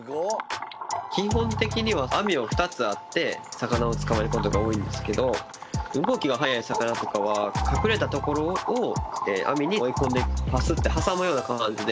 基本的には網は２つあって魚を捕まえることが多いんですけど動きが速い魚とかは隠れたところを網に追い込んでパスッて挟むような感じで。